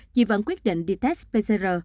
chỉ vẫn quyết định đi test pcr